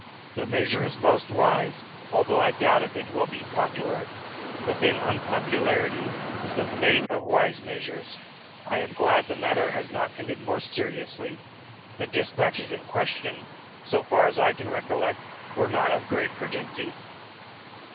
"The measure is most wise, although I doubt if it will be popular. But, then, unpopularity is the fate of wise measures. I am glad the matter has not ended more seriously. The dispatches in question, so far as I can recollect, were not of great urgency."